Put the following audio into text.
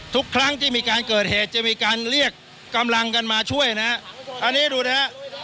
ทุกครั้งที่มีการเกิดเหตุจะมีการเรียกกำลังกันมาช่วยนะฮะอันนี้ดูนะฮะ